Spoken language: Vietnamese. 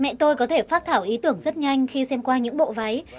mẹ tôi có thể phát thảo ý tưởng rất nhanh khi xem qua những bộ váy